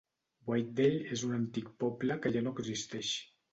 Whitedale és un antic poble que ja no existeix.